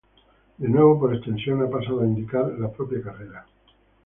De nuevo por extensión ha pasado a indicar la propia carrera.